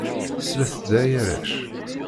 Slet-d ay arrac!